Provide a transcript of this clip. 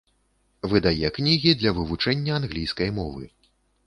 Выдае кнігі для вывучэння англійскай мовы.